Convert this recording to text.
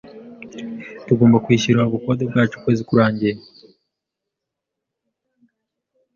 Tugomba kwishyura ubukode bwacu ukwezi kurangiye.